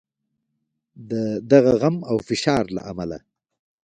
د دغه غم او فشار له امله.